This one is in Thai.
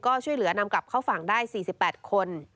ก็ช่วยเหลือนำกลับเข้าฝั่งได้๔๘คน